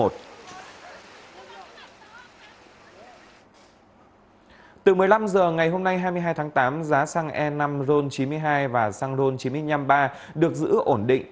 từ một mươi năm h ngày hôm nay hai mươi hai tháng tám giá xăng e năm ron chín mươi hai và xăng ron chín trăm năm mươi ba được giữ ổn định